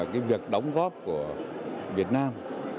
cái việc đóng góp của việt nam